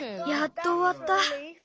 やっとおわった。